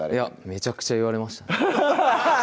めちゃくちゃ言われました